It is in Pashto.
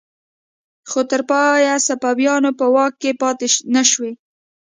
خو تر پایه صفویانو په واک کې پاتې نشوې.